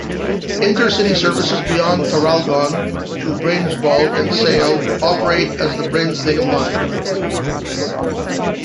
Intercity services beyond Traralgon to Bairnsdale and Sale operate as the Bairnsdale Line.